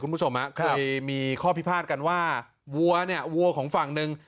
คุณผู้ชมครับเลยมีข้อพิภาษณ์กันว่าวัวเนี่ยวัวของฝั่งนึง